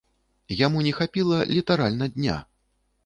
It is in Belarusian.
Яму не хапіла літаральна дня.